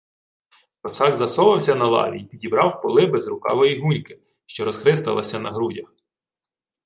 Косак засовався на лаві й підібрав поли безрукавої гуньки, що розхристалася на грудях.